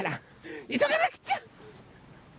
いそがなくっちゃ！